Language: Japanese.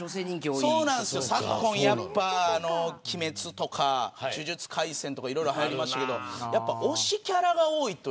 昨今、鬼滅とか呪術廻戦とかいろいろ、はやりましたけど推しキャラが多い。